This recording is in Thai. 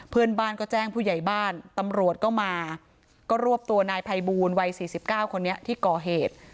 เพื่อนบ้านก็แจ้งผู้ใหญ่บ้านตำรวจก็มาก็รวบตัวนายภัยบูลวัย๔๙คนนี้ที่ก่อเหตุ